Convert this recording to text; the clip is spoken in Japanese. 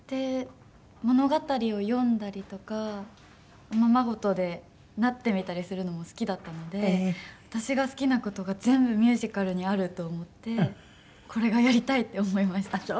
物語を読んだりとかおままごとでなってみたりするのも好きだったので私が好きな事が全部ミュージカルにあると思ってこれがやりたいって思いました。